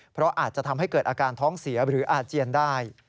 เพราะอาจจะทำให้เกิดอาการท้องเสียหรืออาเจียนได้